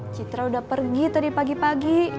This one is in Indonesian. citra udah pergi tadi pagi pagi